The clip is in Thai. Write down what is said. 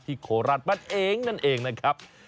ที่โขรัสมันเองนั่นเองนะครับ